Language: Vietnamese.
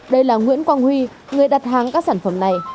đây là nguyễn quang huy người đặt hàng các sản phẩm này